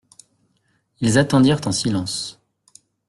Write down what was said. Ils attendirent en silence.